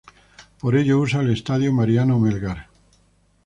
Por ello, usa el Estadio Mariano Melgar.